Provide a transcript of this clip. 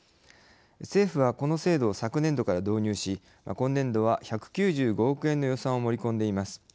政府はこの制度を昨年度から導入し今年度は１９５億円の予算を盛り込んでいます。